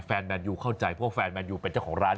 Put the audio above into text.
แฟนแมนดูจะเข้าใจที่แฟนแมนดูเป็นเจ้าหารกาล